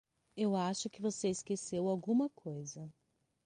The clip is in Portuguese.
Eu acho que você esqueceu alguma coisa.